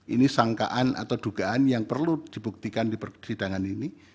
ini sangkaan atau dugaan yang perlu dibuktikan di persidangan ini